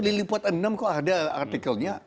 di lipat enam kok ada artikelnya